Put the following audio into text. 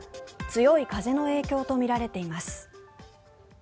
強い風の影響とみられています。